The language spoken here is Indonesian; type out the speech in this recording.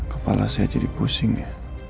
kepala saya jadi pusing ya